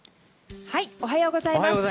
おはようございます。